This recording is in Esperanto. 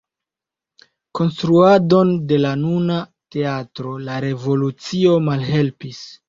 Konstruadon de la nuna teatro la revolucio malhelpis.